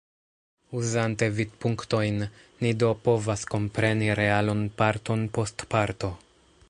Uzante vidpunktojn, ni do povas kompreni realon parton post parto.